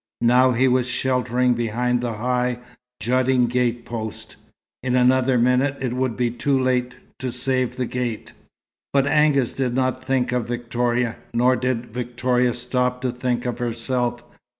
Now he was sheltering behind the high, jutting gate post. In another minute it would be too late to save the gate. But Angus did not think of Victoria. Nor did Victoria stop to think of herself.